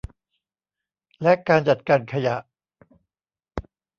และการจัดการขยะ